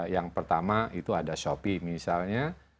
yang pertama itu ada shopee misalnya